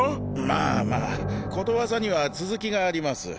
まあまあことわざには続きがあります